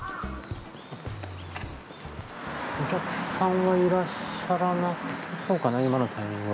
お客さんはいらっしゃらなそうかな今のタイミングは。